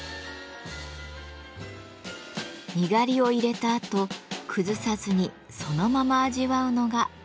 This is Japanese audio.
にがりを入れたあと崩さずにそのまま味わうのが「絹ごし豆腐」。